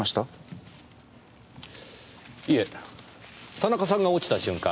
田中さんが落ちた瞬間